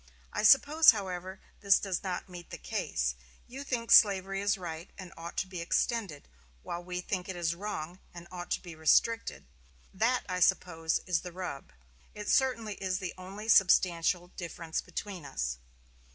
I suppose, however, this does not meet the case. You think slavery is right and ought to be extended, while we think it is wrong and ought to be restricted. That, I suppose, is the rub. It certainly is the only substantial difference between us."